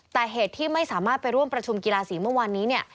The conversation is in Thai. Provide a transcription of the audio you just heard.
แต่เหตุที่ไม่สามารถไปร่วมประชุมกีฬาสีเมื่อวานนี้เนี่ย